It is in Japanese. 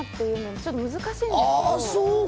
ちょっと難しいんですよ。